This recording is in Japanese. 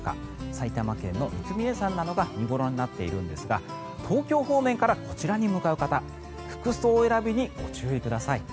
埼玉県の三峰山などが見頃になっているんですが東京方面から、こちらに向かう方服装選びにご注意ください。